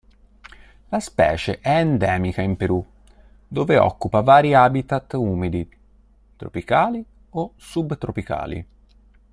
La specie è endemica in Perù, dove occupa vari habitat umidi, tropicali o subtropicali.